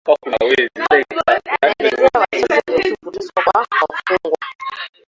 Inaelezea wasiwasi kuhusu kuteswa kwa wafungwa